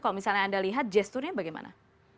kalau misalnya anda lihat gesturnya bagaimana